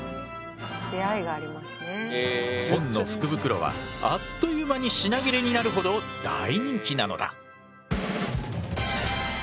本の福袋はあっという間に品切れになるほどそこで！